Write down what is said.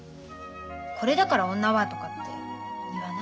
「これだから女は」とかって言わないで。